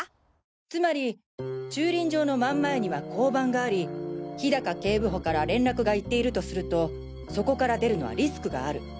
つまり駐輪場の真ん前には交番があり氷高警部補から連絡がいっているとするとそこから出るのはリスクがある。